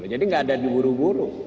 jadi nggak ada di buru buru